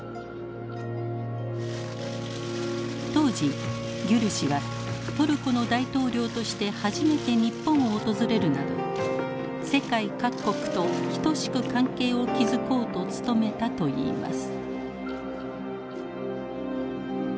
当時ギュル氏はトルコの大統領として初めて日本を訪れるなど世界各国と等しく関係を築こうと努めたといいます。